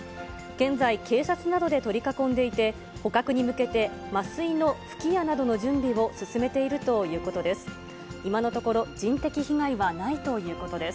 現在、警察などで取り囲んでいて、捕獲に向けて、麻酔の吹き矢などの準備を進めているということです。